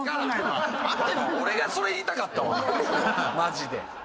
俺がそれ言いたかったわマジで。